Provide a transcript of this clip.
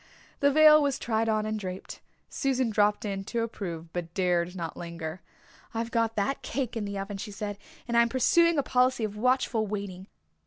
The veil was tried on and draped. Susan dropped in to approve but dared not linger. "I've got that cake in the oven," she said, "and I am pursuing a policy of watchful waiting.